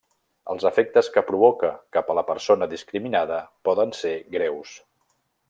Els efectes que provoca cap a la persona discriminada poden ser greus.